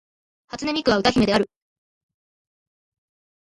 初音ミクは歌姫である